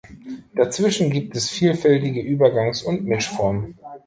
Dazwischen gibt es vielfältige Übergangs- und Mischformen.